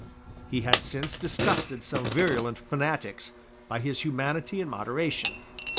He had since disgusted some virulent fanatics by his humanity and moderation.